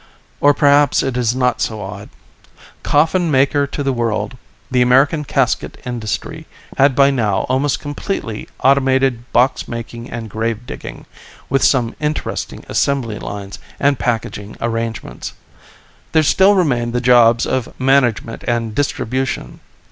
Or perhaps it is not so odd. Coffin maker to the world, the American casket industry had by now almost completely automated box making and gravedigging, with some interesting assembly lines and packaging arrangements; there still remained the jobs of management and distribution.